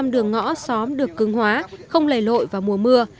một trăm linh đường ngõ xóm được cứng hóa không lầy lội vào mùa mưa